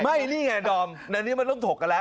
ไม่นี่ไงดอมอันนี้มันต้องถกกันแล้ว